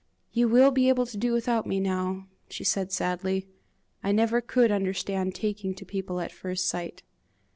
"You will be able to do without me now," she said sadly. "I never could understand taking to people at first sight!"